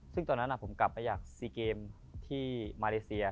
ซึ่งตอนนั้นผมกลับไปจาก๔เกมที่มาเลเซีย